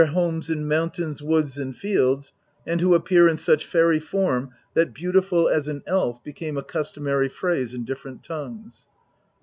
homes in mountains, woods, and fields, and who appear in such fairy form that "beautiful as an elf" became a customary phrase in different tongues.